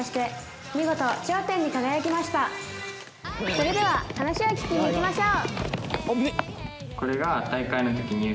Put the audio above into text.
それでは話を聞きにいきましょう。